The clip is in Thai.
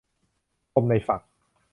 คมในฝัก